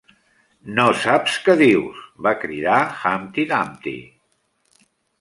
"No saps què dius!", va cridar Humpty Dumpty.